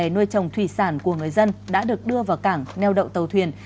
nuôi trồng thủy sản của người dân đã được đưa vào cảng neo đậu tàu thuyền